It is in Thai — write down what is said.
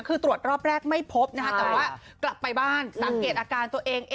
คือตรวจรอบแรกไม่พบนะคะแต่ว่ากลับไปบ้านสังเกตอาการตัวเอง